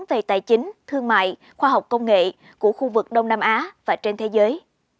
về tài chính thương mại khoa học công nghệ của khu vực đông nam á và trên thế giới